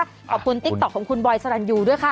ขอบคุณติ๊กต๊อกของคุณบอยซาลันยูด้วยค่ะ